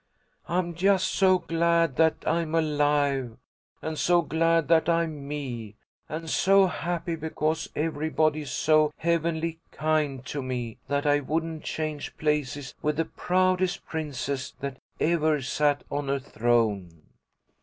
"I'm just so glad that I'm alive, and so glad that I am me, and so happy because everybody is so heavenly kind to me, that I wouldn't change places with the proudest princess that ever sat on a throne."